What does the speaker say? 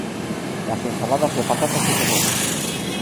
Las "ensaladas de patatas y cebollas".